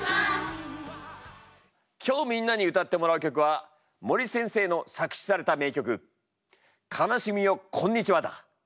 今日みんなに歌ってもらう曲は森先生の作詞された名曲「悲しみよこんにちは」だ。